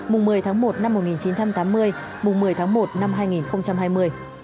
mùng một mươi tháng một năm một nghìn chín trăm tám mươi mùng một mươi tháng một năm hai nghìn hai mươi